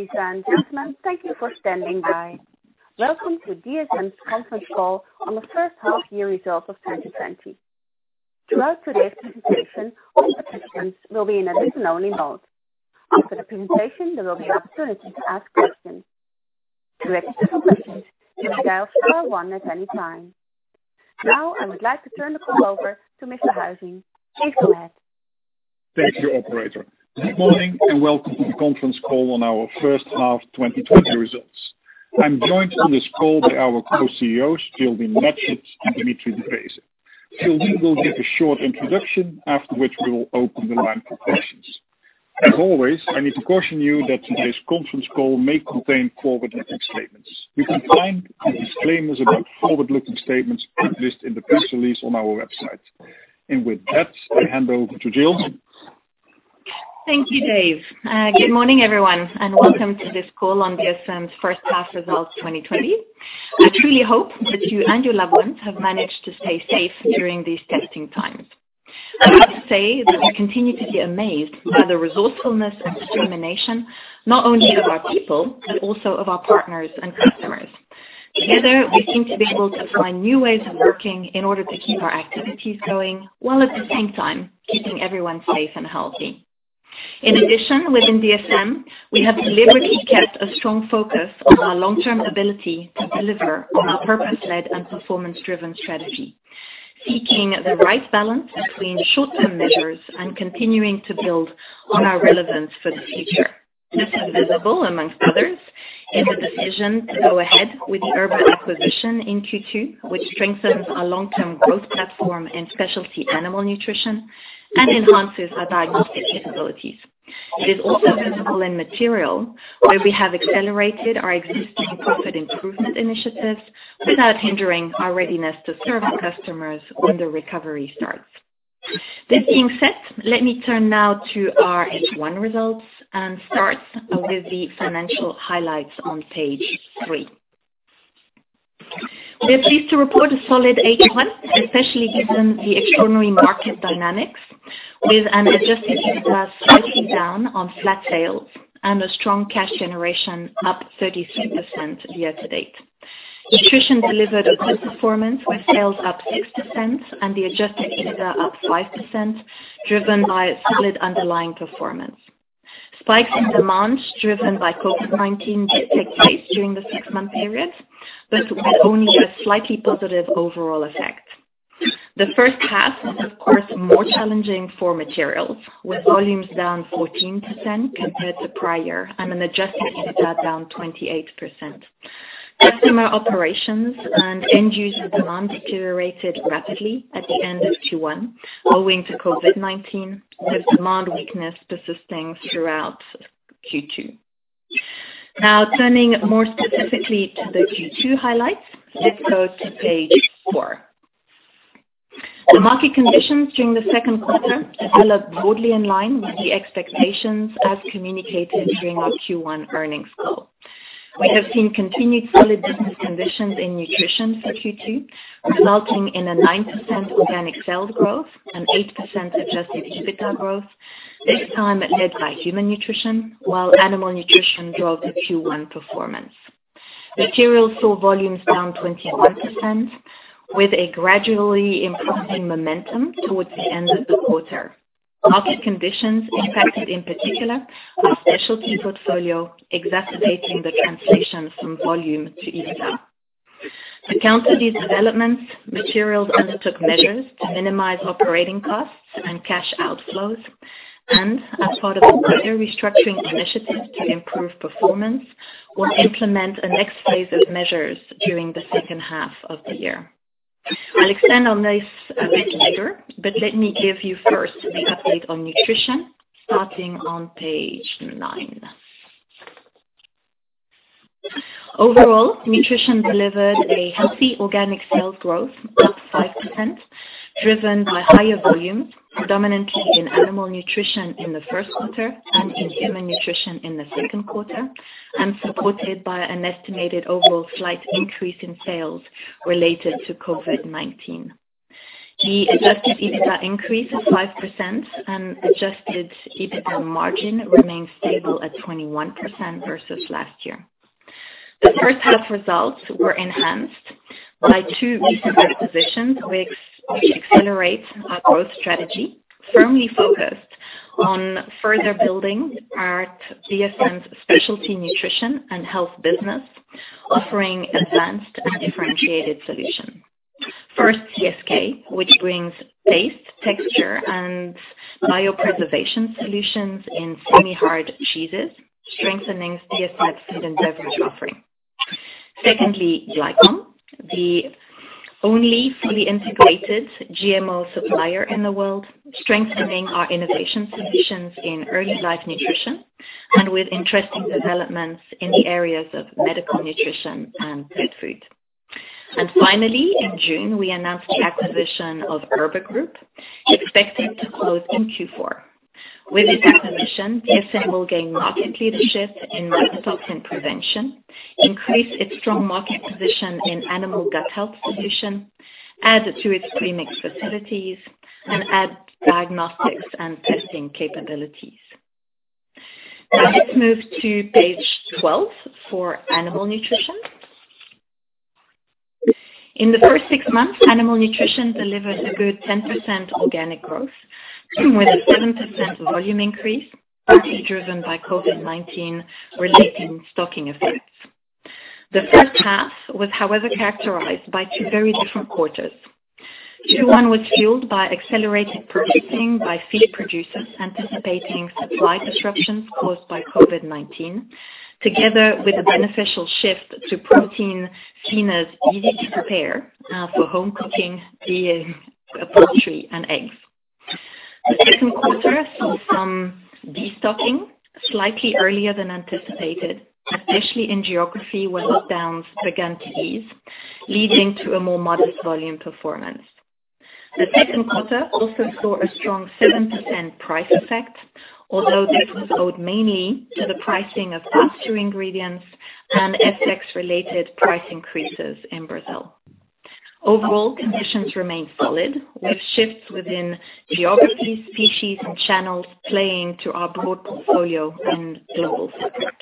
Ladies and gentlemen, thank you for standing by. Welcome to DSM's conference call on the first half year results of 2020. Throughout today's presentation, all participants will be in a listen-only mode. After the presentation, there will be opportunity to ask questions. To ask questions, you may dial star one at any time. Now, I would like to turn the call over to Mr. Huizing. Please go ahead. Thank you, operator. Good morning and welcome to the conference call on our first half 2020 results. I'm joined on this call by our Co-CEOs, Geraldine Matchett and Dimitri de Vreeze. Geraldine will give a short introduction, after which we will open the line for questions. As always, I need to caution you that today's conference call may contain forward-looking statements. You can find the disclaimers about forward-looking statements listed in the press release on our website. With that, I hand over to Gil. Thank you, Dave. Good morning, everyone, welcome to this call on DSM's first half results 2020. I truly hope that you and your loved ones have managed to stay safe during these testing times. I must say that we continue to be amazed by the resourcefulness and determination, not only of our people, but also of our partners and customers. Together, we seem to be able to find new ways of working in order to keep our activities going, while at the same time, keeping everyone safe and healthy. In addition, within DSM, we have deliberately kept a strong focus on our long-term ability to deliver on our purpose-led and performance-driven strategy, seeking the right balance between short-term measures and continuing to build on our relevance for the future. This is visible amongst others in the decision to go ahead with the Erber acquisition in Q2, which strengthens our long-term growth platform in specialty animal nutrition and enhances our diagnostic capabilities. It is also visible in Materials, where we have accelerated our existing profit improvement initiatives without hindering our readiness to serve our customers when the recovery starts. This being said, let me turn now to our H1 results and start with the financial highlights on page three. We're pleased to report a solid H1, especially given the extraordinary market dynamics, with an adjusted EBITDA slightly down on flat sales and a strong cash generation up 33% year to date. Nutrition delivered a good performance with sales up 6% and the adjusted EBITDA up 5%, driven by solid underlying performance. Spikes in demand driven by COVID-19 did take place during the six-month period, with only a slightly positive overall effect. The first half was, of course, more challenging for Materials, with volumes down 14% compared to prior and an adjusted EBITDA down 28%. Customer operations and end-user demand deteriorated rapidly at the end of Q1 owing to COVID-19, with demand weakness persisting throughout Q2. Turning more specifically to the Q2 highlights. Let's go to page four. The market conditions during the second quarter developed broadly in line with the expectations as communicated during our Q1 earnings call. We have seen continued solid business conditions in Nutrition for Q2, resulting in a 9% organic sales growth and 8% adjusted EBITDA growth, this time led by Human Nutrition, while Animal Nutrition drove the Q1 performance. Materials saw volumes down 21%, with a gradually improving momentum towards the end of the quarter. Market conditions impacted, in particular, our specialty portfolio, exacerbating the translation from volume to EBITDA. To counter these developments, Materials undertook measures to minimize operating costs and cash outflows, and as part of a broader restructuring initiative to improve performance, will implement a next phase of measures during the second half of the year. I'll expand on this a bit later, but let me give you first the update on Nutrition, starting on page nine. Overall, Nutrition delivered a healthy organic sales growth up 5%, driven by higher volumes, predominantly in Animal Nutrition in the first quarter and in Human Nutrition in the second quarter, and supported by an estimated overall slight increase in sales related to COVID-19. The adjusted EBITDA increased 5% and adjusted EBITDA margin remained stable at 21% versus last year. The first half results were enhanced by two recent acquisitions, which accelerate our growth strategy, firmly focused on further building our DSM's specialty nutrition and health business, offering advanced and differentiated solutions. First, CSK, which brings taste, texture, and biopreservation solutions in semi-hard cheeses, strengthening DSM's food and beverage offering. Secondly, Glycom, the only fully integrated HMO supplier in the world, strengthening our innovation solutions in early life nutrition and with interesting developments in the areas of medical nutrition and pet food. Finally, in June, we announced the acquisition of Erber Group, expected to close in Q4. With this acquisition, DSM will gain market leadership in mycotoxin prevention, increase its strong market position in animal gut health solutions, add to its premix facilities, and add diagnostics and testing capabilities. Now let's move to page 12 for Animal Nutrition. In the first six months, Animal Nutrition delivered a good 10% organic growth with a 7% volume increase, partly driven by COVID-19 related stocking effects. The first half was, however, characterized by two very different quarters. Q1 was fueled by accelerated purchasing by feed producers anticipating supply disruptions caused by COVID-19, together with a beneficial shift to protein seen as easy to prepare for home cooking, being poultry and eggs. The second quarter saw some de-stocking slightly earlier than anticipated, especially in geography where lockdowns began to ease, leading to a more modest volume performance. The second quarter also saw a strong 7% price effect, although this was owed mainly to the pricing of pass-through ingredients and FX-related price increases in Brazil. Overall conditions remain solid, with shifts within geography, species, and channels playing to our broad portfolio and global footprint.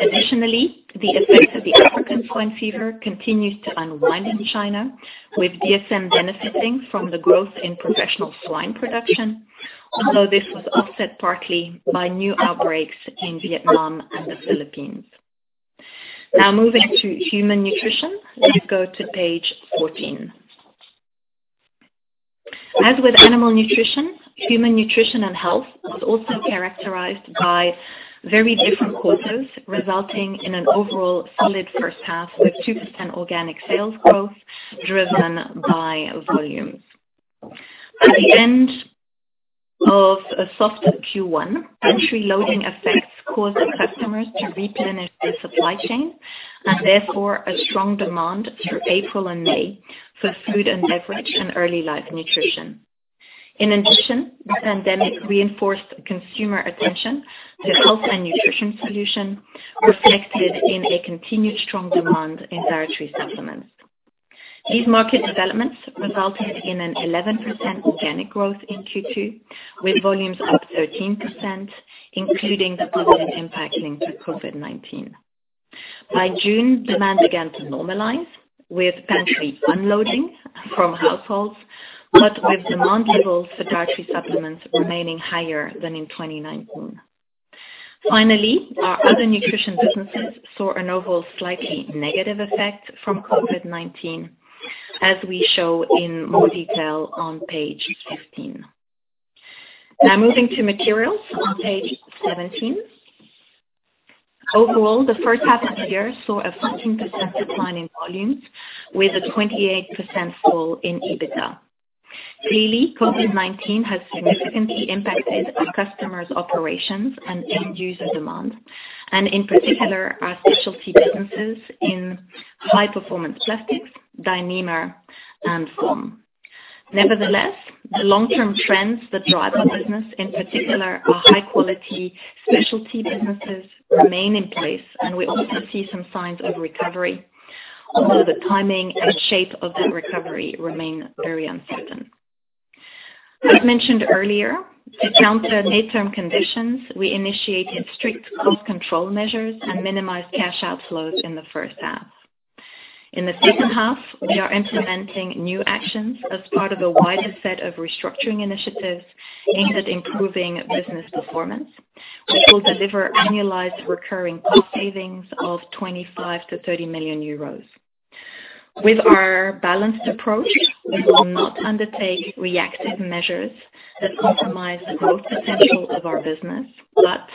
Additionally, the effect of the African swine fever continues to unwind in China, with DSM benefiting from the growth in professional swine production, although this was offset partly by new outbreaks in Vietnam and the Philippines. Moving to Human Nutrition. Please go to page 14. As with Animal Nutrition, Human Nutrition and Health was also characterized by very different quarters, resulting in an overall solid first half with 2% organic sales growth driven by volumes. At the end of a softer Q1, pantry loading effects caused customers to replenish their supply chain, therefore a strong demand through April and May for food and beverage and early life nutrition. The pandemic reinforced consumer attention to health and nutrition solutions, reflected in a continued strong demand in dietary supplements. These market developments resulted in an 11% organic growth in Q2, with volumes up 13%, including the positive impact linked to COVID-19. By June, demand began to normalize with pantry unloading from households, but with demand levels for dietary supplements remaining higher than in 2019. Our other nutrition businesses saw an overall slightly negative effect from COVID-19, as we show in more detail on page 15. Moving to Materials on page 17. Overall, the first half of the year saw a 15% decline in volumes, with a 28% fall in EBITDA. Clearly, COVID-19 has significantly impacted our customers' operations and end user demand, and in particular, our specialty businesses in high-performance plastics, Dyneema, and foam. Nevertheless, the long-term trends that drive our business, in particular our high-quality specialty businesses, remain in place, and we also see some signs of recovery, although the timing and shape of that recovery remain very uncertain. As mentioned earlier, to counter near-term conditions, we initiated strict cost control measures and minimized cash outflows in the first half. In the second half, we are implementing new actions as part of a wider set of restructuring initiatives aimed at improving business performance, which will deliver annualized recurring cost savings of 25 million-30 million euros. With our balanced approach, we will not undertake reactive measures that compromise the growth potential of our business, but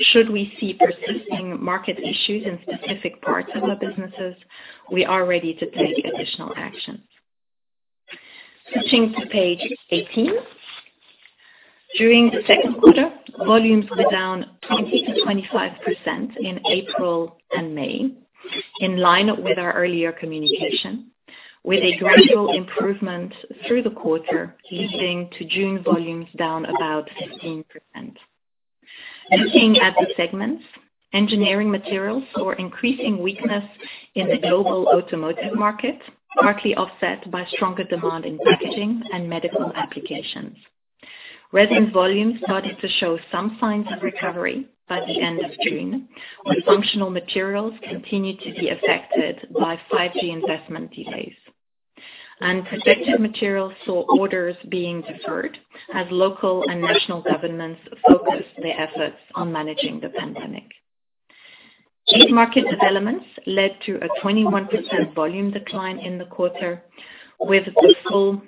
should we see persisting market issues in specific parts of our businesses, we are ready to take additional action. Switching to page 18. During the second quarter, volumes were down 20%-25% in April and May, in line with our earlier communication, with a gradual improvement through the quarter, leading to June volumes down about 15%. Looking at the segments, engineering materials saw increasing weakness in the global automotive market, partly offset by stronger demand in packaging and medical applications. Resins volumes started to show some signs of recovery by the end of June, while functional materials continued to be affected by 5G investment delays. Protective materials saw orders being deferred as local and national governments focused their efforts on managing the pandemic. These market developments led to a 21% volume decline in the quarter, with the full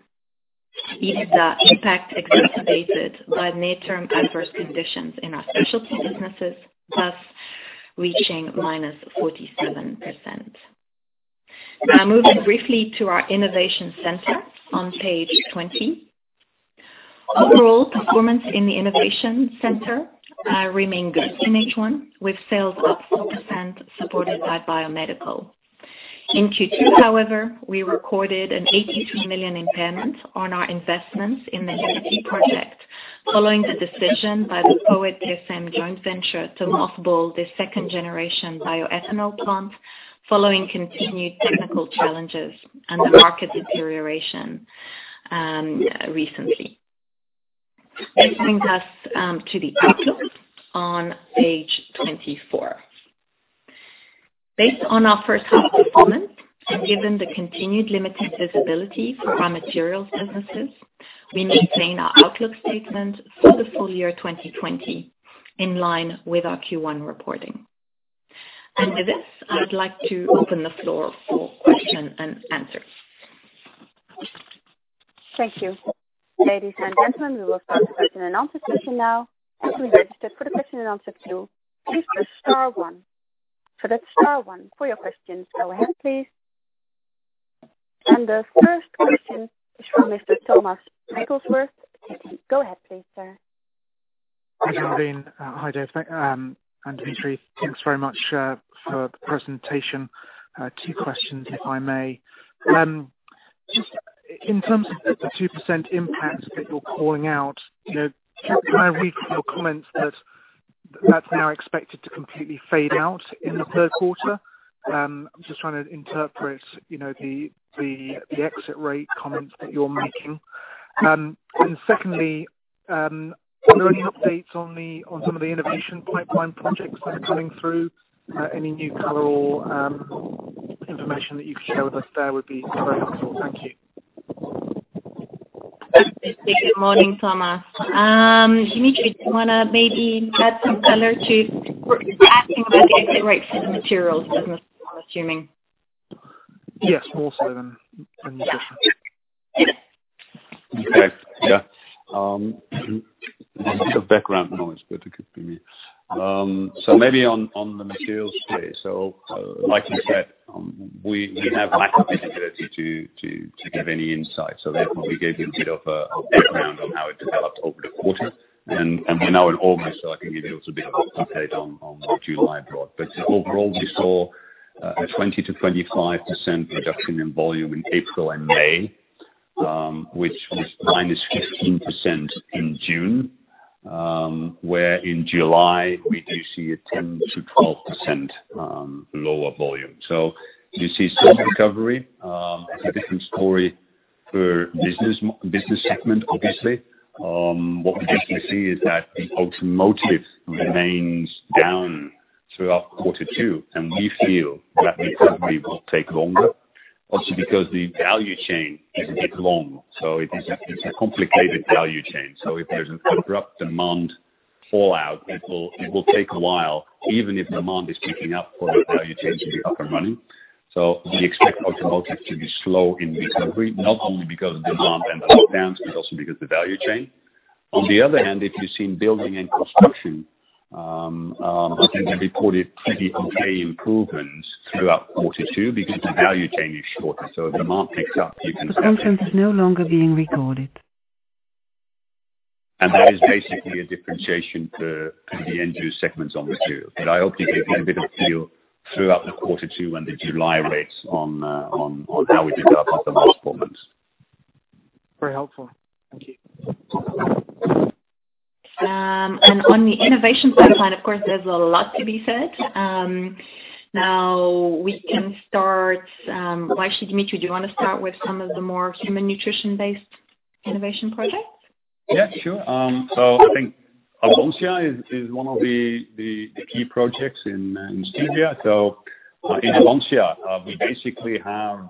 EBITDA impact exacerbated by near-term adverse conditions in our specialty businesses, thus reaching -47%. Moving briefly to our Innovation Center on page 20. Overall performance in the Innovation Center remained good in H1, with sales up 4%, supported by Biomedical. In Q2, however, we recorded an 82 million impairment on our investments in the [Unity] project, following the decision by the POET-DSM joint venture to mothball the second generation bioethanol plant following continued technical challenges and the market deterioration recently. This brings us to the outlook on page 24. Based on our first half performance and given the continued limited visibility for our materials businesses, we maintain our outlook statement for the full year 2020 in line with our Q1 reporting. With this, I would like to open the floor for question and answer. Thank you. Ladies and gentlemen, we will start the question and answer session now. If you registered for the question and answer two, please press star one. That's star one for your questions. Go ahead, please. The first question is from Mr. Thomas [Hakkelsberg]. Go ahead please, sir. Good morning. Hi, Dave and Dimitri. Thanks very much for the presentation. Two questions, if I may. Just in terms of the 2% impact that you're calling out, can I read from your comments that that's now expected to completely fade out in the third quarter? I'm just trying to interpret the exit rate comments that you're making. Secondly, are there any updates on some of the innovation pipeline projects that are coming through? Any new color or information that you could share with us there would be very helpful. Thank you. Good morning, Thomas. Dimitri, do you want to maybe add some color? He's asking about the exit rates for the materials business, I'm assuming. Yes, mostly on the materials. Okay. Yeah. There's a lot of background noise, but it could be me. Maybe on the materials play. Like you said, we have lack of visibility to give any insight. Therefore, we gave you a bit of a background on how it developed over the quarter, and we're now in August, so I can give you also a bit of an update on what July brought. Overall, we saw a 20%-25% reduction in volume in April and May, which was -15% in June, where in July, we do see a 10%-12% lower volume. You see some recovery. It's a different story per business segment, obviously. What we basically see is that the automotive remains down throughout quarter two, and we feel that it probably will take longer also because the value chain is a bit long. It is a complicated value chain. If there's an abrupt demand fallout, it will take a while, even if demand is picking up for the value chain to be up and running. We expect automotive to be slow in recovery, not only because of demand and the lockdowns, but also because the value chain. On the other hand, if you've seen building and construction, I think we reported pretty okay improvements throughout quarter two because the value chain is shorter. If demand picks up, you can- Conference is no longer being recorded. That is basically a differentiation for the end use segments on material. I hope this gives you a bit of feel throughout the quarter two and the July rates on how we developed on the last performance. Very helpful. Thank you. On the innovation pipeline, of course, there's a lot to be said. Now we can start. Why don't you, Dimitri, do you want to start with some of the more human nutrition-based innovation projects? Yeah, sure. I think Avansya is one of the key projects in stevia. In Avansya, we basically have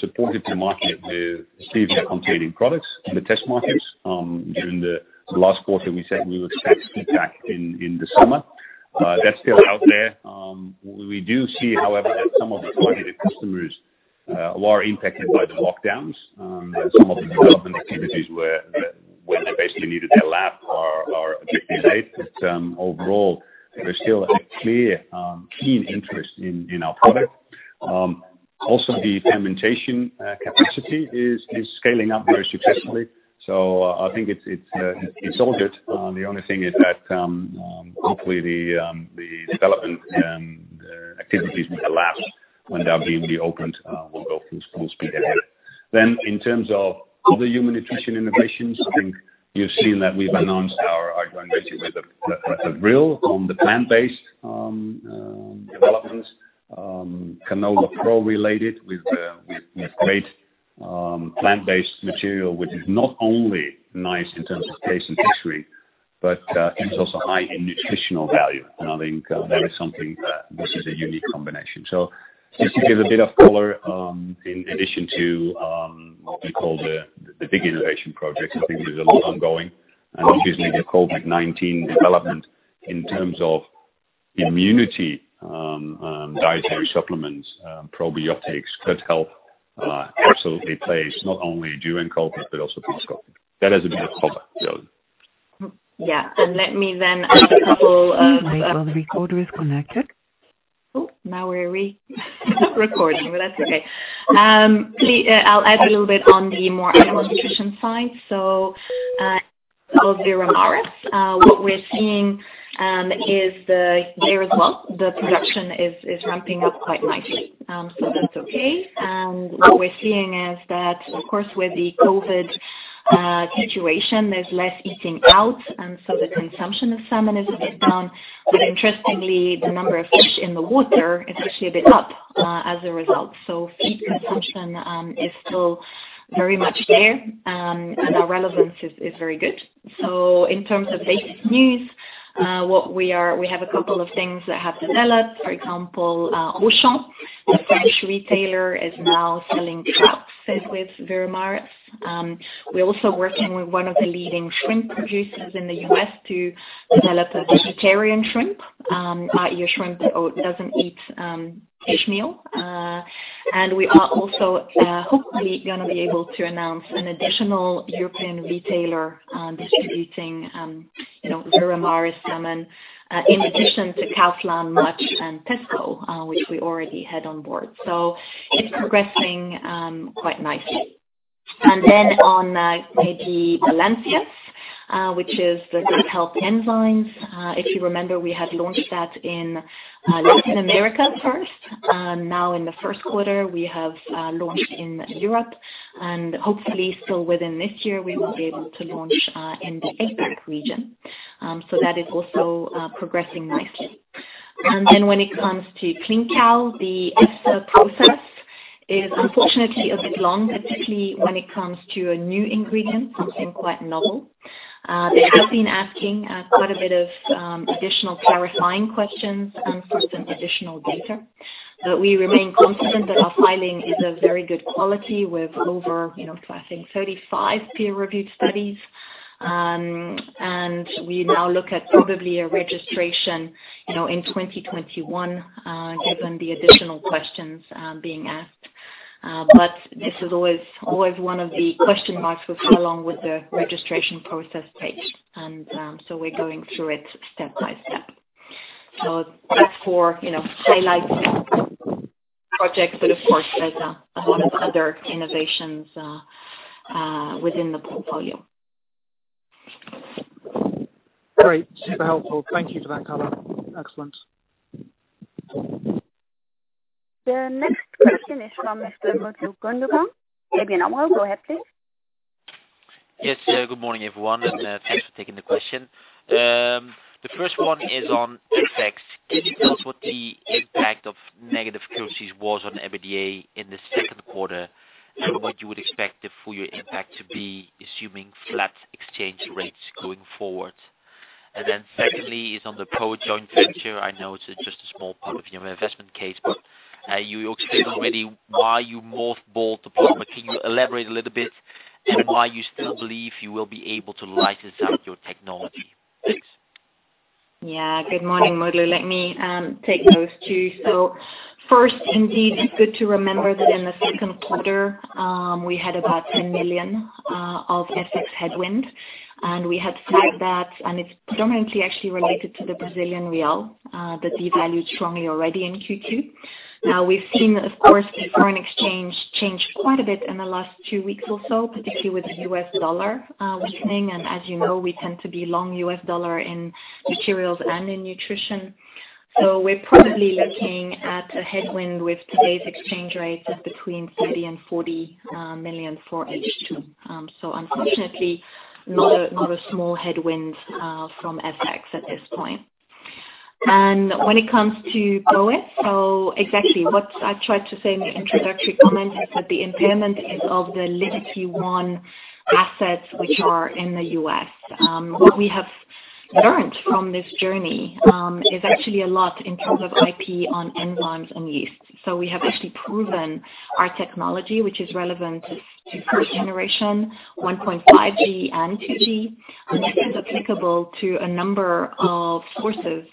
supported the market with stevia-containing products in the test markets. During the last quarter, we said we expect impact in the summer. That is still out there. We do see, however, that some of the targeted customers were impacted by the lockdowns. Some of the development activities where they basically needed a lab are a bit delayed. Overall, there is still a clear, keen interest in our product. Also, the fermentation capacity is scaling up very successfully. I think it is all good. The only thing is that, hopefully, the development and activities with the labs, when they will be reopened, will go full speed ahead. In terms of other human nutrition innovations, I think you have seen that we have announced our joint venture with Avril on the plant-based developments. CanolaPRO-related with great plant-based material, which is not only nice in terms of taste and texture, but it's also high in nutritional value. I think that is something that this is a unique combination. Just to give a bit of color, in addition to what we call the big innovation projects, I think there's a lot ongoing. Obviously, the COVID-19 development in terms of immunity, dietary supplements, probiotics, gut health absolutely plays not only during COVID, but also post-COVID. That is a bit of color, really. Yeah. The recorder is connected. Oh, now we're re-recording, but that's okay. I'll add a little bit on the more animal nutrition side. Veramaris. What we're seeing is the year as well, the production is ramping up quite nicely. That's okay. What we're seeing is that, of course, with the COVID situation, there's less eating out, and so the consumption of salmon is a bit down. Interestingly, the number of fish in the water is actually a bit up, as a result. Feed consumption is still very much there, and our relevance is very good. In terms of basic news, we have a couple of things that have developed. For example, Auchan, the French retailer, is now selling trout with Veramaris. We're also working with one of the leading shrimp producers in the U.S. to develop a vegetarian shrimp. Your shrimp doesn't eat fishmeal. We are also hopefully going to be able to announce an additional European retailer distributing Veramaris salmon in addition to Kaufland, Much, and Tesco, which we already had on board. It's progressing quite nicely. On Balancius, which is the good health enzymes. If you remember, we had launched that in Latin America first. Now in the first quarter, we have launched in Europe, and hopefully still within this year, we will be able to launch in the APAC region. That is also progressing nicely. When it comes to [Thinkcal], the EFSA process is unfortunately a bit long, particularly when it comes to a new ingredient, something quite novel. They have been asking quite a bit of additional clarifying questions and for some additional data. We remain confident that our filing is of very good quality with over I think 35 peer-reviewed studies. We now look at probably a registration in 2021, given the additional questions being asked. This is always one of the question marks with how long the registration process takes. We're going through it step by step. That's for highlights projects, but of course, there's a whole lot of other innovations within the portfolio. Great. Super helpful. Thank you for that color. Excellent. The next question is from Mr. Mutlu Gundoga. Go ahead, please. Yes. Good morning, everyone, and thanks for taking the question. The first one is on FX. Can you tell us what the impact of negative currencies was on EBITDA in the second quarter, and what you would expect the full year impact to be, assuming flat exchange rates going forward? Secondly, is on the POET joint venture. I know it's just a small part of your investment case, but you explained already why you mothballed the plant. Can you elaborate a little bit on why you still believe you will be able to license out your technology? Thanks. Good morning, Mutlu. Let me take those two. First, indeed, it's good to remember that in the second quarter, we had about 10 million of FX headwind, and we had flagged that, and it's predominantly actually related to the Brazilian real, that devalued strongly already in Q2. We've seen, of course, the foreign exchange change quite a bit in the last two weeks or so, particularly with the U.S. dollar weakening. As you know, we tend to be long U.S. dollar in materials and in nutrition. We're probably looking at a headwind with today's exchange rates of between 30 million and 40 million for H2. Unfortunately, not a small headwind from FX at this point. When it comes to POET, exactly what I tried to say in the introductory comment is that the impairment is of the Liberty 1 assets which are in the U.S. What we have learned from this journey, is actually a lot in terms of IP on enzymes and yeast. We have actually proven our technology, which is relevant to first-generation 1.5G and 2G, and that is applicable to a number of sources.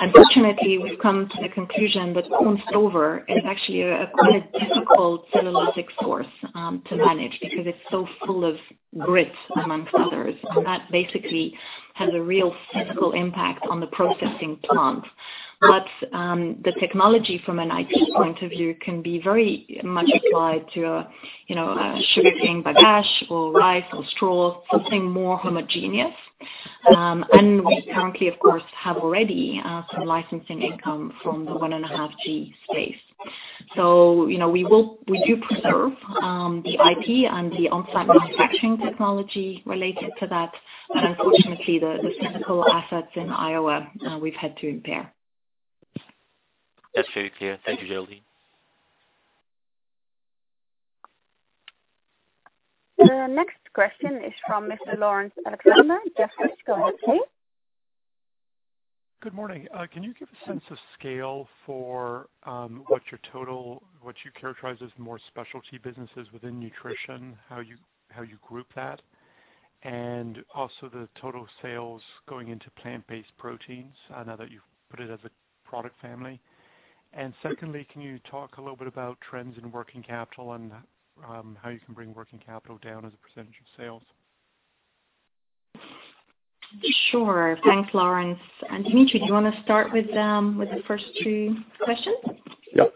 Unfortunately, we've come to the conclusion that corn stover is actually a quite a difficult cellulosic source to manage because it's so full of grit amongst others. That basically has a real physical impact on the processing plant. The technology from an IP point of view can be very much applied to sugarcane bagasse or rice or straw, something more homogeneous. We currently, of course, have already some licensing income from the 1.5G space. We do preserve the IP and the on-site manufacturing technology related to that. Unfortunately, the physical assets in Iowa, we've had to impair. That's very clear. Thank you, Geraldine. The next question is from Mr. Laurence Alexander, Jefferies. Go ahead, please. Good morning. Can you give a sense of scale for what you characterize as more specialty businesses within nutrition, how you group that? Also the total sales going into plant-based proteins, now that you've put it as a product family? Secondly, can you talk a little bit about trends in working capital and how you can bring working capital down as a percentage of sales? Sure. Thanks, Laurence. Dimitri, do you want to start with the first two questions? Yep.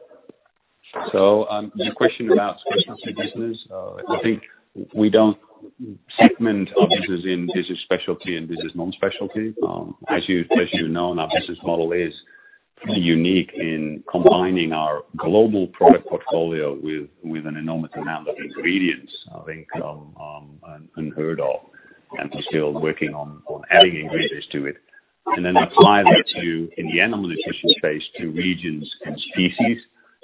Your question about specialty business, I think we don't segment our business in business specialty and business non-specialty. As you know, our business model is pretty unique in combining our global product portfolio with an enormous amount of ingredients, I think unheard of, and are still working on adding ingredients to it. Apply that to, in the animal nutrition space, to regions and species,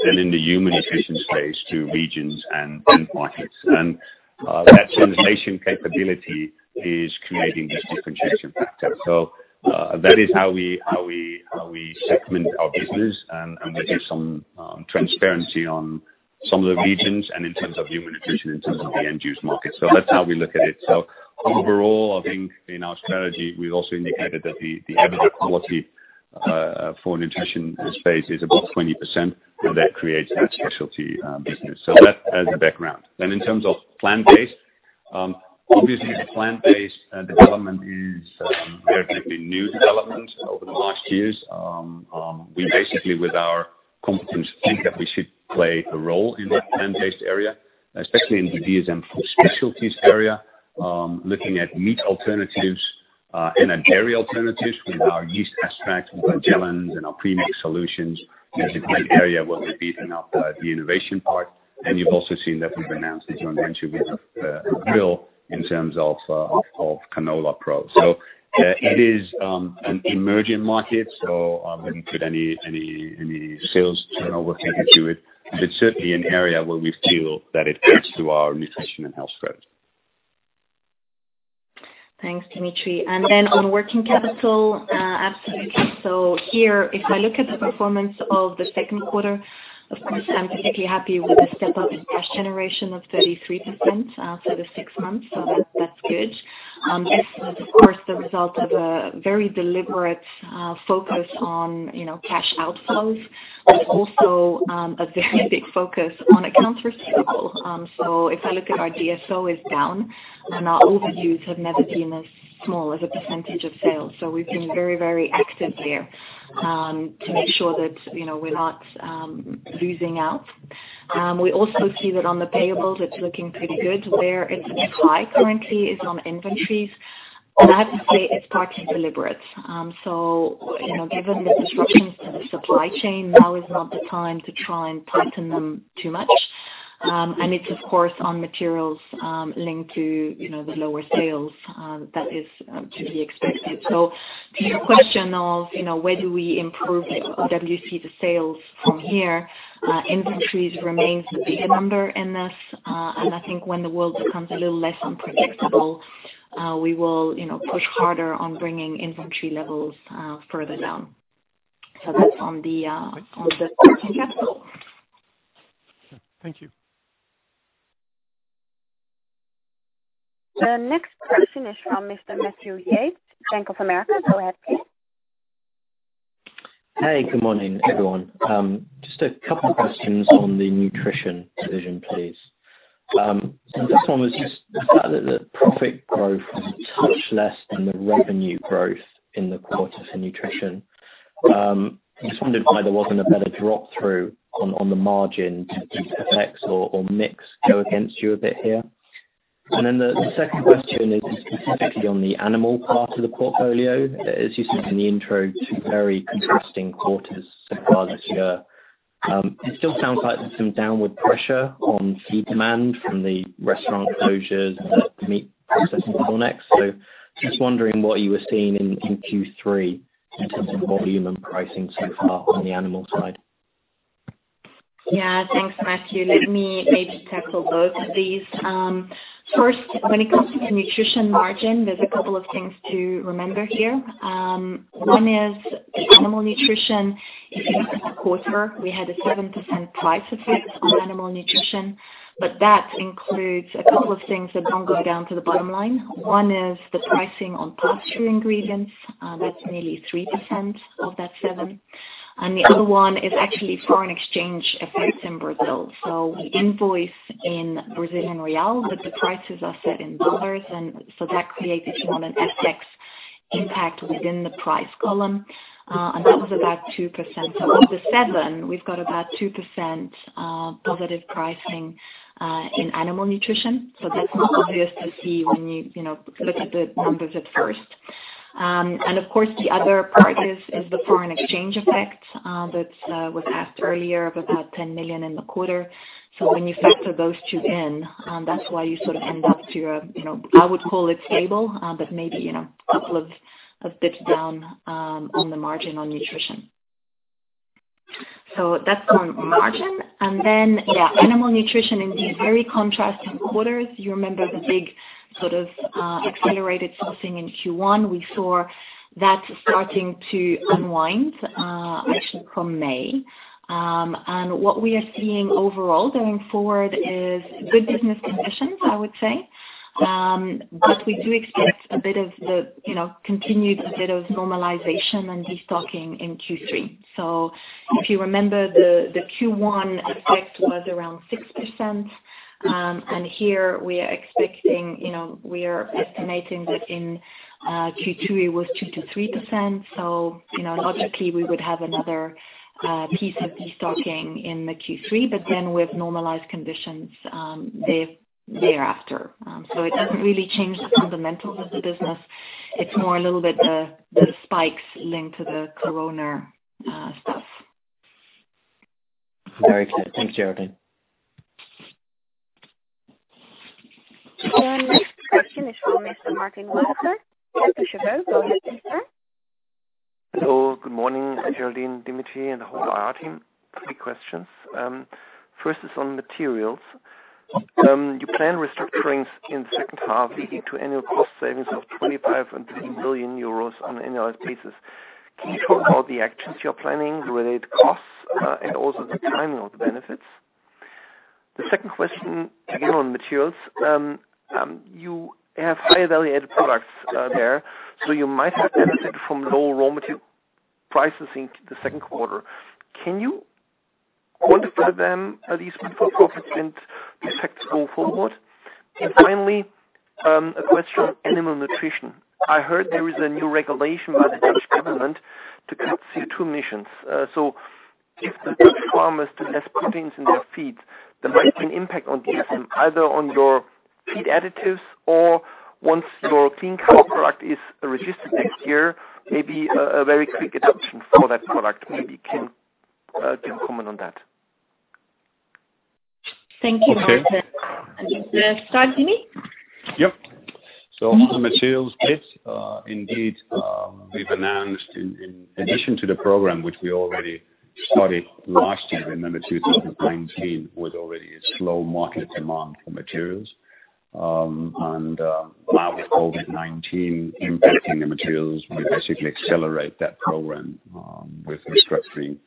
then in the human nutrition space to regions and end markets. That translation capability is creating this differentiation factor. That is how we segment our business and with some transparency on some of the regions and in terms of human nutrition, in terms of the end-use market. That's how we look at it. Overall, I think in our strategy, we've also indicated that the [evident quality] for nutrition space is above 20%, and that creates that specialty business. That as a background. In terms of plant-based, obviously the plant-based development is a relatively new development over the last years. We basically, with our competence, think that we should play a role in that plant-based area, especially in the DSM specialties area, looking at meat alternatives and at dairy alternatives with our yeast extract and gellans and our premix solutions. That's a key area where we're beefing up the innovation part. You've also seen that we've announced a joint venture with Avril in terms of CanolaPRO. It is an emerging market, so I wouldn't put any sales turnover ticket to it, but it's certainly an area where we feel that it adds to our nutrition and health growth. Thanks, Dimitri. On working capital, absolutely. Here, if I look at the performance of the second quarter, of course, I'm particularly happy with the step up in cash generation of 33% for the six months. That's good. This was, of course, the result of a very deliberate focus on cash outflows, but also a very big focus on accounts receivable. If I look at our DSO is down and our overdues have never been as small as a percentage of sales. We've been very active here to make sure that we're not losing out. We also see that on the payables, it's looking pretty good. Where it's a bit high currently is on inventories, and I have to say it's partly deliberate. Given the disruptions to the supply chain, now is not the time to try and tighten them too much. It's, of course, on materials linked to the lower sales that is to be expected. To your question of where do we improve WC to sales from here, inventories remains the bigger number in this. I think when the world becomes a little less unpredictable, we will push harder on bringing inventory levels further down. That's on the working capital. Okay. Thank you. The next question is from Mr. Matthew Yates, Bank of America. Go ahead, please. Hey, good morning, everyone. Just a couple questions on the nutrition division, please. The first one was just the fact that the profit growth was a touch less than the revenue growth in the quarter for nutrition. Just wondered why there wasn't a better drop through on the margin. Did FX or mix go against you a bit here? The second question is specifically on the animal part of the portfolio. As you said in the intro, two very contrasting quarters so far this year. It still sounds like there's some downward pressure on feed demand from the restaurant closures and the meat processing bottlenecks. Just wondering what you were seeing in Q3 in terms of volume and pricing so far on the animal side. Yeah, thanks, Matthew. Let me maybe tackle both of these. First, when it comes to the nutrition margin, there's a couple of things to remember here. One is the animal nutrition. If you look at the quarter, we had a 7% price effect on animal nutrition, but that includes a couple of things that don't go down to the bottom line. One is the pricing on pass-through ingredients. That's nearly 3% of that seven. The other one is actually foreign exchange effects in Brazil. We invoice in Brazilian real, but the prices are set in dollars. That created more of an FX impact within the price column. That was about 2%. Of the seven, we've got about 2% positive pricing in animal nutrition. That's not obvious to see when you look at the numbers at first. Of course, the other part is the foreign exchange effect that was asked earlier of about 10 million in the quarter. When you factor those two in, that's why you sort of end up to, I would call it stable, but maybe a couple of basis points down on the margin on nutrition. That's on margin. Yeah, animal nutrition in these very contrasting quarters. You remember the big sort of accelerated sourcing in Q1. We saw that starting to unwind actually from May. What we are seeing overall going forward is good business conditions, I would say. We do expect a bit of continued normalization and destocking in Q3. If you remember, the Q1 effect was around 6%. And here we are estimating that in Q2 it was 2%-3%. Logically we would have another piece of destocking in the Q3, with normalized conditions thereafter. It doesn't really change the fundamentals of the business. It's more a little bit the spikes linked to the corona stuff. Very clear. Thanks, Geraldine. The next question is from Mr. Martin Roediger. Go ahead, sir. Hello. Good morning, Geraldine, Dimitri, and the whole IR team. Three questions. First is on materials. You plan restructurings in the second half leading to annual cost savings of 25 million euros and EUR 30 million on an annual basis. Can you talk about the actions you're planning, the related costs, and also the timing of the benefits? The second question, again, on materials. You have high-value added products there, so you might have benefited from low raw material prices in the second quarter. Can you quantify them, these benefits, and the effects going forward? Finally, a question on animal nutrition. I heard there is a new regulation by the Dutch government to cut CO2 emissions. If the Dutch farmers do less proteins in their feed, there might be an impact on DSM, either on your feed additives or once your Clean Cow product is registered next year, maybe a very quick adoption for that product. Maybe can you comment on that? Thank you, Martin. Okay. Start, Dimitri? Yep. On the materials bit, indeed, we've announced in addition to the program which we already started last year, remember 2019 was already a slow market demand for materials. Now with COVID-19 impacting the materials, we basically accelerate that program with restructuring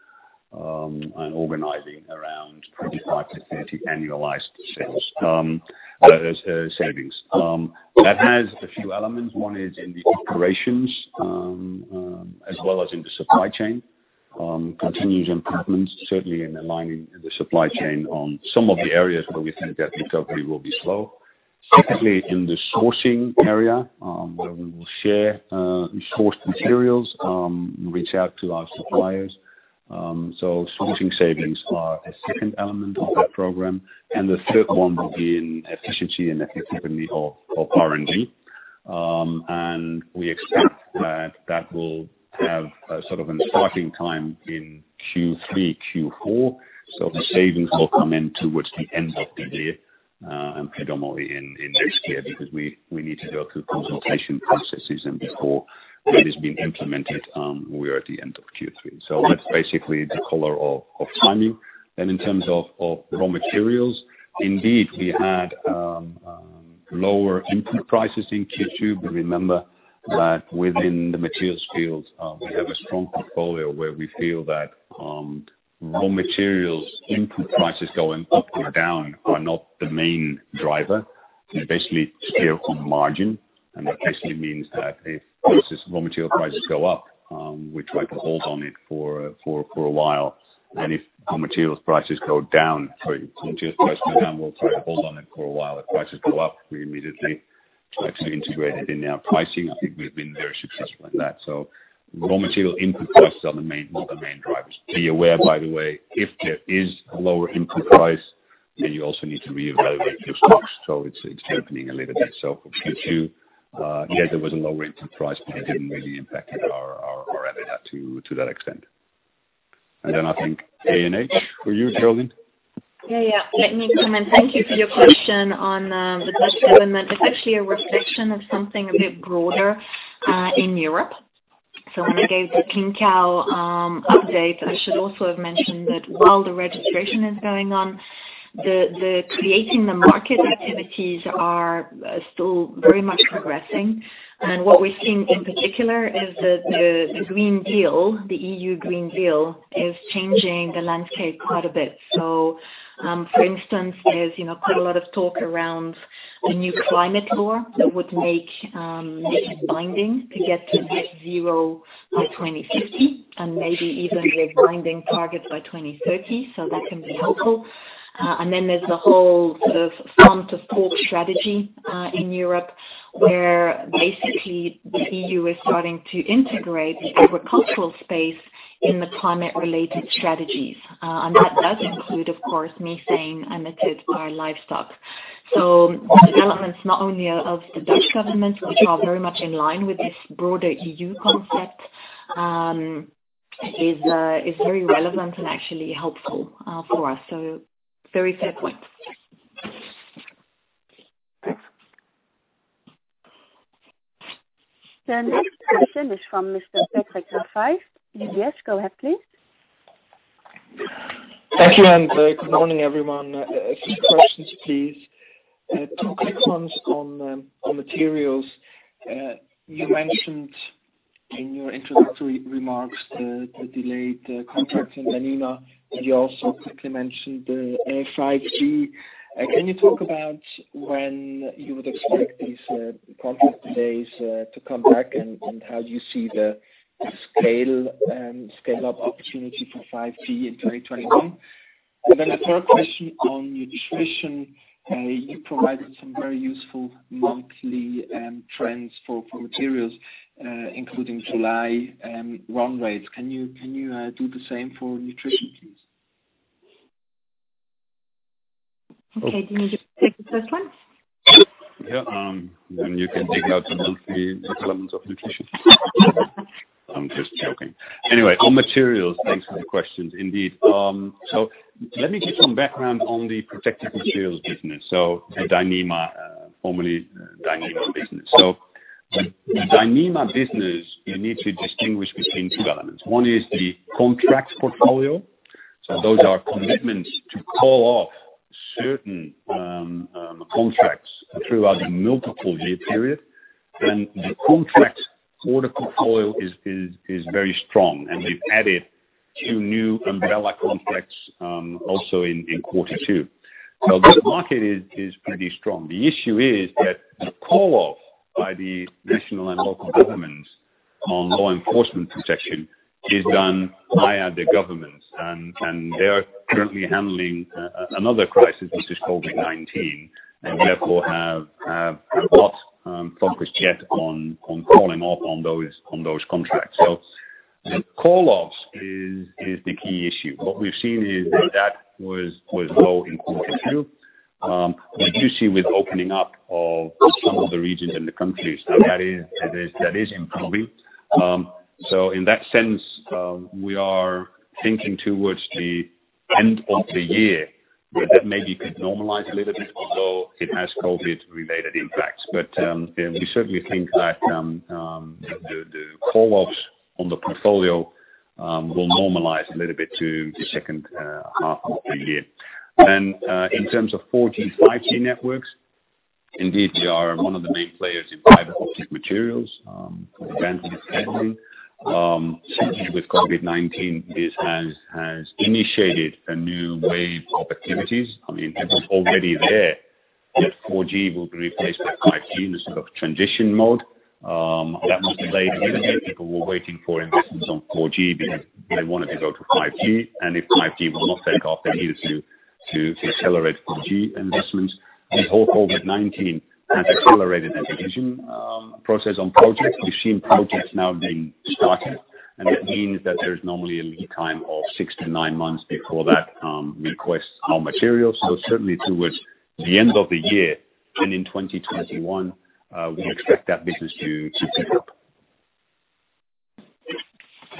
and organizing around 25 million-30 million annualized savings. That has a few elements. One is in the operations, as well as in the supply chain. Continuous improvements, certainly in aligning the supply chain on some of the areas where we think that recovery will be slow. Secondly, in the sourcing area, where we will share sourced materials, reach out to our suppliers. Sourcing savings are a second element of that program, and the third one will be in efficiency and effectiveness of R&D. We expect that that will have a sort of an inciting time in Q3, Q4. The savings will come in towards the end of the year, and predominantly in next year, because we need to go through consultation processes and before that has been implemented, we are at the end of Q3. That's basically the color of timing. In terms of raw materials, indeed, we had lower input prices in Q2. Remember that within the materials field, we have a strong portfolio where we feel that raw materials input prices going up or down are not the main driver. They basically scale from margin, and that basically means that if raw material prices go up, we try to hold on it for a while, and if raw material prices go down, we'll try to hold on it for a while. If prices go up, we immediately try to integrate it in our pricing. I think we've been very successful in that. Raw material input prices are not the main drivers. Be aware, by the way, if there is a lower input price, then you also need to reevaluate your stocks. It's opening a little bit. Q2, yeah, there was a lower input price, but it didn't really impact our EBITDA to that extent. Then I think ANH for you, Geraldine. Yeah. Let me comment. Thank you for your question on the Dutch government. It's actually a reflection of something a bit broader in Europe. When I gave the Clean Cow update, I should also have mentioned that while the registration is going on, the creating the market activities are still very much progressing. What we're seeing in particular is that the Green Deal, the EU Green Deal, is changing the landscape quite a bit. For instance, there's quite a lot of talk around a new climate law that would make it binding to get to net zero by 2050, and maybe even a binding target by 2030. That can be helpful. Then there's the whole sort of Farm to Fork Strategy in Europe, where basically the EU is starting to integrate the agricultural space in the climate-related strategies. That does include, of course, methane emitted by livestock. The developments not only of the Dutch government, which are very much in line with this broader EU concept, is very relevant and actually helpful for us. Very fair point. Thanks. The next question is from Mr. Patrick Rafei, UBS. Go ahead, please. Thank you, and good morning, everyone. A few questions, please. Two quick ones on materials. You mentioned in your introductory remarks the delayed contracts in Dyneema. You also quickly mentioned the 5G. Can you talk about when you would expect these contract delays to come back, and how do you see the scale-up opportunity for 5G in 2021? A third question on nutrition. You provided some very useful monthly trends for materials, including July run rates. Can you do the same for nutrition, please? Okay, Dimitri, take the first one. Yeah. You can dig out the monthly elements of nutrition. I'm just joking. On materials, thanks for the questions indeed. Let me give some background on the protective materials business. The Dyneema, formerly Dyneema business. The Dyneema business, you need to distinguish between two elements. One is the contracts portfolio. Those are commitments to call off certain contracts throughout a multiple-year period. The contract portfolio is very strong. They've added two new umbrella contracts also in quarter two. The market is pretty strong. The issue is that the call off by the national and local governments on law enforcement protection is done via the governments. They are currently handling another crisis, which is COVID-19, and therefore have not focused yet on calling off on those contracts. The call offs is the key issue. What we've seen is that was low in Q2. What you see with opening up of some of the regions and the countries, now that is improving. In that sense, we are thinking towards the end of the year where that maybe could normalize a little bit, although it has COVID-related impacts. We certainly think that the call offs on the portfolio will normalize a little bit to the second half of the year. In terms of 4G, 5G networks, indeed, we are one of the main players in fiber optic materials. Demand is steadily. Certainly with COVID-19, this has initiated a new wave of activities. I mean, it was already there that 4G will be replaced by 5G in a sort of transition mode. That was delayed a little bit. People were waiting for investments on 4G because they wanted to go to 5G. If 5G will not take off, they needed to accelerate 4G investments. COVID-19 has accelerated that decision process on projects. We've seen projects now being started, and that means that there is normally a lead time of six to nine months before that requests more materials. Certainly towards the end of the year and in 2021, we expect that business to pick up.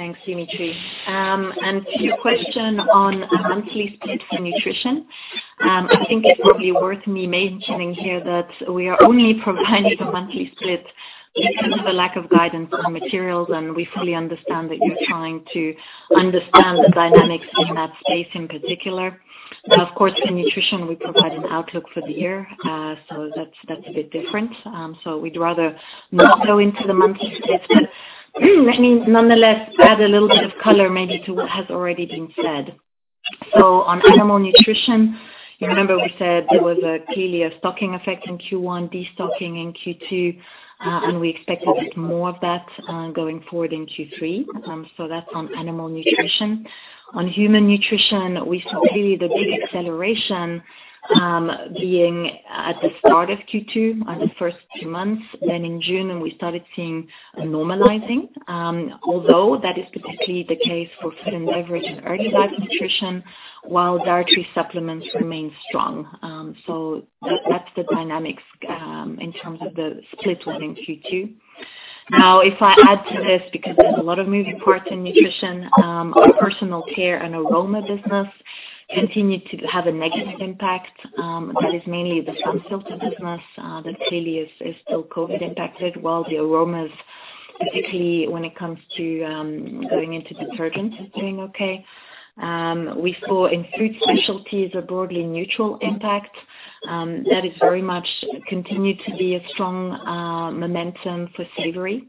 Thanks, Dimitri. To your question on a monthly split for nutrition, I think it's probably worth me mentioning here that we are only providing a monthly split because of a lack of guidance on materials, and we fully understand that you're trying to understand the dynamics in that space in particular. Of course, in nutrition, we provide an outlook for the year. That's a bit different. We'd rather not go into the monthly split. I mean, nonetheless, add a little bit of color maybe to what has already been said. On animal nutrition, you remember we said there was clearly a stocking effect in Q1, destocking in Q2, and we expected more of that going forward in Q3. That's on animal nutrition. On human nutrition, we saw clearly the big acceleration being at the start of Q2, the first two months. In June, we started seeing a normalizing. That is particularly the case for food and beverage and early life nutrition, while dietary supplements remain strong. That is the dynamics in terms of the split within Q2. If I add to this, because there's a lot of moving parts in nutrition. Our personal care and aroma business continued to have a negative impact. That is mainly the sun filter business that clearly is still COVID impacted, while the aromas, particularly when it comes to going into detergents, is doing okay. We saw in food specialties a broadly neutral impact. That has very much continued to be a strong momentum for savory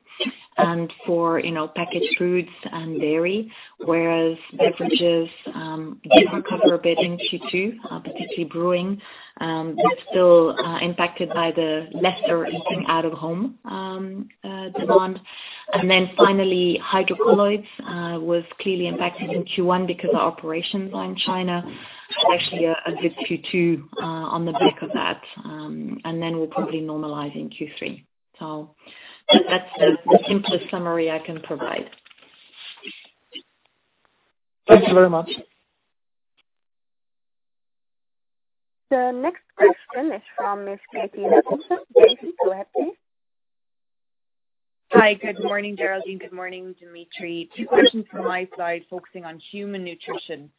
and for packaged foods and dairy, whereas beverages did recover a bit in Q2, particularly brewing. Still impacted by the lesser eating out of home demand. Finally, hydrocolloids was clearly impacted in Q1 because of operations in China. Actually a good Q2 on the back of that. We'll probably normalize in Q3. That's the simplest summary I can provide. Thank you very much. The next question is from Katie, go ahead please. Hi, good morning, Geraldine. Good morning, Dimitri. Two questions from my side, focusing on human nutrition.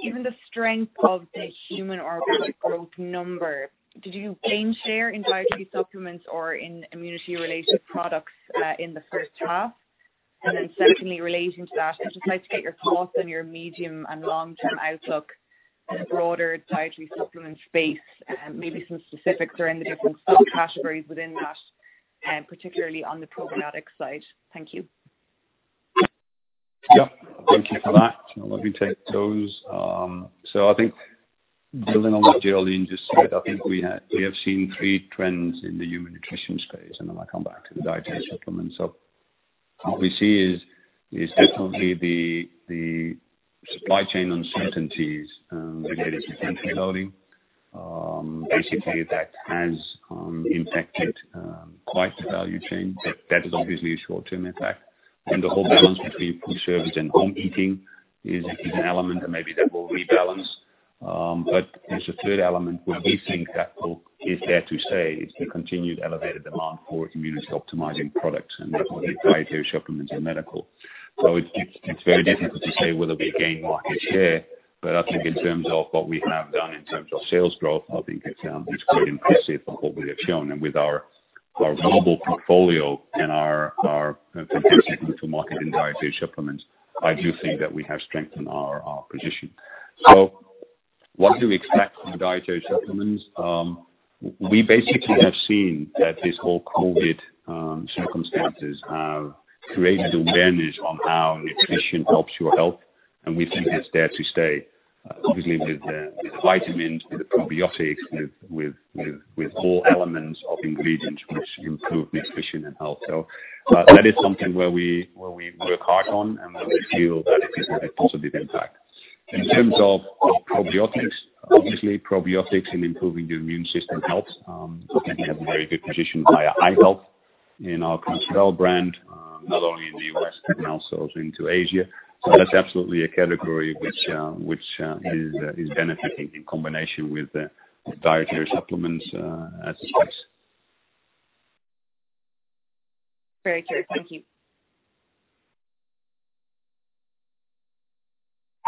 Given the strength of the human organic growth number, did you gain share in dietary supplements or in immunity-related products in the first half? Secondly, relating to that, I'd just like to get your thoughts on your medium and long-term outlook in the broader dietary supplement space, maybe some specifics around the different subcategories within that, particularly on the probiotic side. Thank you. Thank you for that. Let me take those. I think building on what Geraldine just said, I think we have seen three trends in the human nutrition space, and then I'll come back to the dietary supplements. What we see is definitely the supply chain uncertainties related to factory loading. Basically, that has impacted quite the value chain, but that is obviously a short-term impact. The whole balance between food service and home eating is an element that maybe that will rebalance. There's a third element where we think that bulk is there to stay, is the continued elevated demand for immunity optimizing products, and that's where dietary supplements are medical. It's very difficult to say whether we gain market share. I think in terms of what we have done in terms of sales growth, I think it's quite impressive what we have shown. With our global portfolio and our capacity to market in dietary supplements, I do think that we have strengthened our position. What do we expect from dietary supplements? We basically have seen that these whole COVID circumstances have created awareness on how nutrition helps your health, and we think it's there to stay, obviously with vitamins, with probiotics, with all elements of ingredients which improve nutrition and health. That is something where we work hard on and where we feel that it is a positive impact. In terms of probiotics, obviously probiotics in improving your immune system helps. I think we have a very good position via i-Health in our [Prince Well brand], not only in the U.S. but also into Asia. That's absolutely a category which is benefiting in combination with dietary supplements as a space. Very clear. Thank you.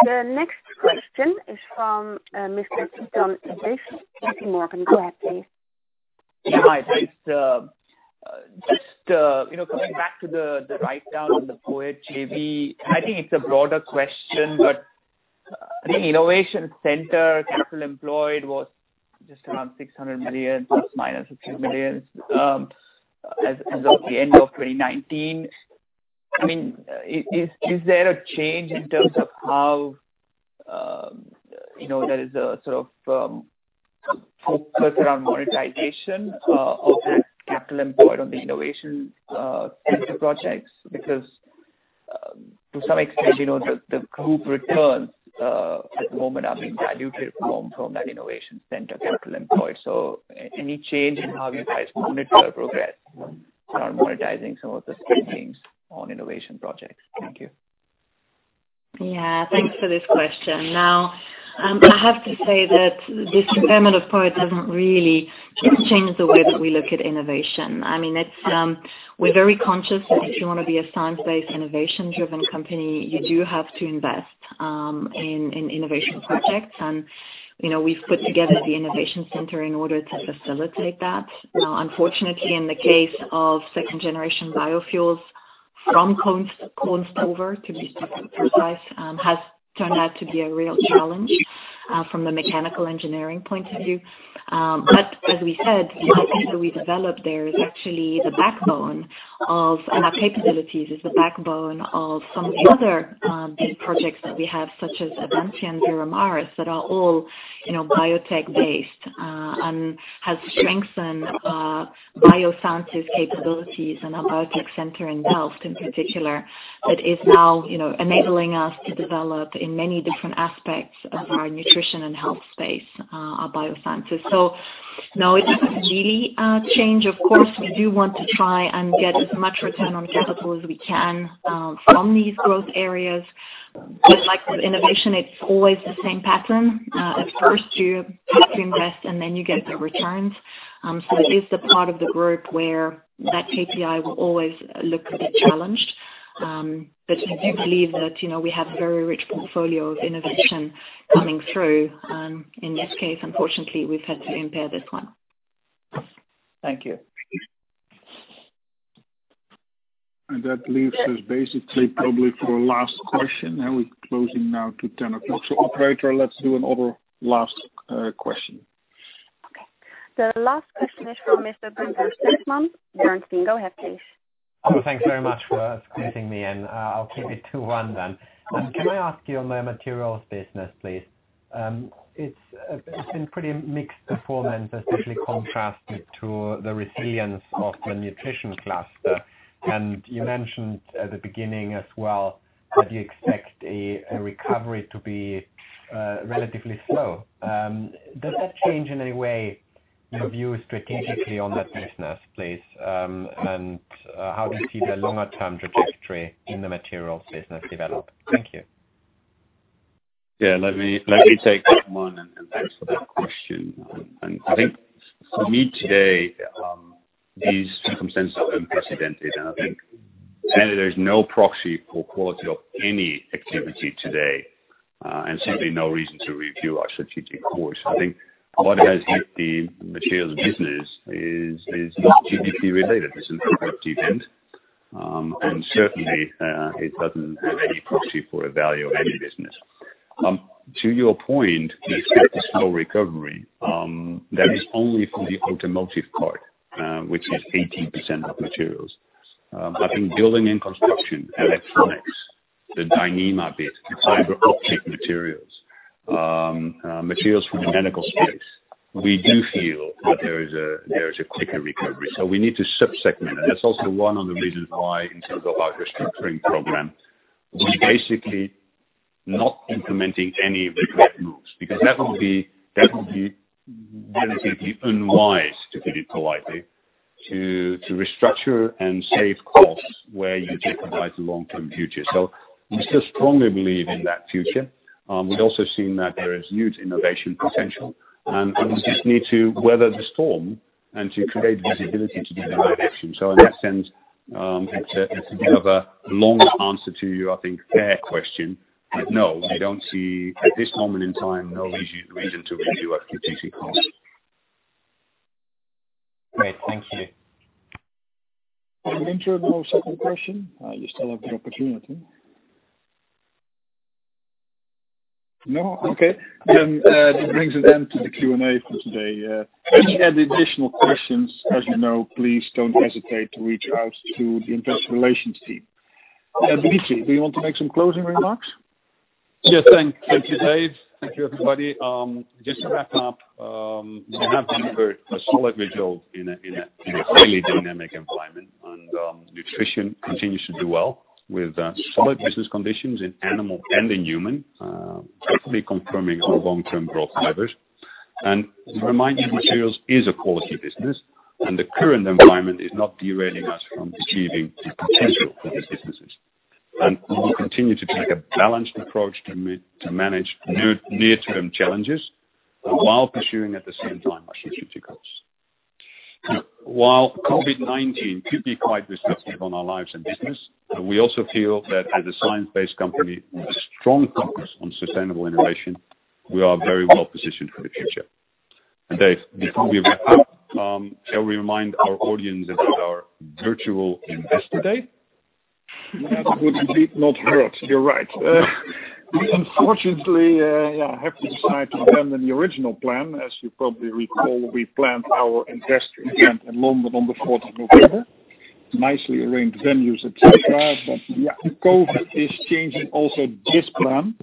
The next question is from. JPMorgan, go ahead, please. Yeah. Hi, thanks. Just coming back to the write-down on the POET JV, I think it's a broader question. The DSM Innovation Center capital employed was just around 600 million, plus or minus a few million, as of the end of 2019. Is there a change in terms of how there is a sort of focus around monetization of that capital employed on the DSM Innovation Center projects? To some extent, the group returns at the moment are being diluted from that DSM Innovation Center capital employed. Any change in how you guys monitor progress around monetizing some of the spendings on innovation projects? Thank you. Yeah, thanks for this question. I have to say that this impairment of POET doesn't really change the way that we look at innovation. We're very conscious that if you want to be a science-based, innovation-driven company, you do have to invest in innovation projects. We've put together the innovation center in order to facilitate that. Unfortunately, in the case of second generation biofuels from corn stover, to be precise, has turned out to be a real challenge from a mechanical engineering point of view. As we said, the IP that we developed there is actually the backbone of, and our capabilities, is the backbone of some other big projects that we have, such as Avansya and Veramaris, that are all biotech-based, and has strengthened our biosciences capabilities and our biotech center in Delft in particular, that is now enabling us to develop in many different aspects of our nutrition and health space, our biosciences. No, it doesn't really change. Of course, we do want to try and get as much return on capital as we can from these growth areas. Like with innovation, it's always the same pattern. At first, you have to invest, and then you get the returns. It is the part of the group where that KPI will always look a bit challenged. I do believe that we have a very rich portfolio of innovation coming through. In this case, unfortunately, we've had to impair this one. Thank you. That leaves us basically probably for a last question. We're closing now to 10 o'clock. Operator, let's do another last question. Okay. The last question is from Mr. Bernstein. Go ahead, please. Thanks very much for squeezing me in. I'll keep it to one then. Can I ask you on the materials business, please? It's been pretty mixed performance, especially contrasted to the resilience of the nutrition cluster. You mentioned at the beginning as well that you expect a recovery to be relatively slow. Does that change in any way your view strategically on that business, please? How do you see the longer-term trajectory in the materials business develop? Thank you. Yeah, let me take that one. Thanks for that question. I think for me today, these circumstances are unprecedented. Sadly, there is no proxy for quality of any activity today. Certainly, no reason to review our strategic course. I think what has hit the materials business is not GDP related. This is COVID-dependent. Certainly, it doesn't have any proxy for a value of any business. To your point, we expect a slow recovery. That is only for the automotive part, which is 18% of materials. I think building and construction, electronics, the Dyneema bit, the fiber optic materials for the medical space, we do feel that there is a quicker recovery. We need to sub-segment. That's also one of the reasons why, in terms of our restructuring program, we're basically not implementing any of the cut moves, because that would be relatively unwise, to put it politely, to restructure and save costs where you jeopardize the long-term future. We still strongly believe in that future. We've also seen that there is huge innovation potential, and we just need to weather the storm and to create visibility to do the right action. In that sense, it's a bit of a long answer to your, I think, fair question. No, we don't see at this moment in time, no reason to review our strategic course. Great. Thank you. Any internal second question? You still have the opportunity. No? Okay. That brings an end to the Q&A for today. If you have any additional questions, as you know, please don't hesitate to reach out to the investor relations team. Dimitri, do you want to make some closing remarks? Yes. Thank you, Dave. Thank you, everybody. Just to wrap up, we have delivered a solid result in a fairly dynamic environment. Nutrition continues to do well with solid business conditions in animal and in human, definitely confirming our long-term growth levers. Remind you, Materials is a quality business. The current environment is not derailing us from achieving the potential for these businesses. We will continue to take a balanced approach to manage near-term challenges while pursuing at the same time our strategic goals. While COVID-19 could be quite disruptive on our lives and business, we also feel that as a science-based company with a strong focus on sustainable innovation, we are very well positioned for the future. Dave, before we wrap up, shall we remind our audience about our virtual Investor Day? That would indeed not hurt. You're right. We unfortunately have to decide to abandon the original plan. As you probably recall, we planned our investor event in London on the 4th of November. Nicely arranged venues, et cetera, COVID is changing also this plan.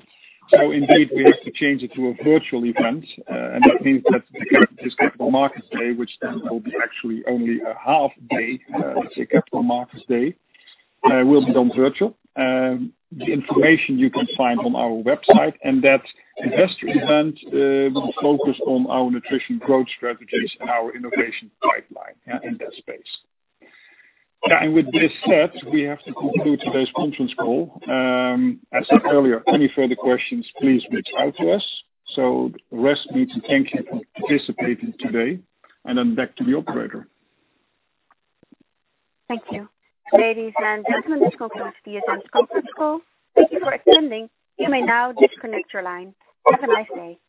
Indeed, we have to change it to a virtual event, and that means that the Capital Markets Day, which then will be actually only a half day Capital Markets Day, will be done virtual. The information you can find on our website, that investor event will focus on our nutrition growth strategies and our innovation pipeline in that space. With this said, we have to conclude today's conference call. As said earlier, any further questions, please reach out to us. The rest we need to thank you for participating today, back to the operator. Thank you. Ladies and gentlemen, this concludes DSM's conference call. Thank you for attending. You may now disconnect your line. Have a nice day.